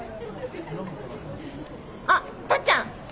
あっタッちゃん。